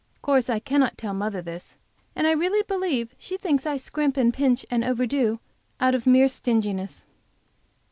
Of course I cannot tell mother this, and I really believe she thinks I scrimp and pinch and overdo out of mere stinginess.